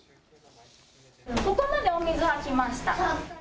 ここまでお水が来ました。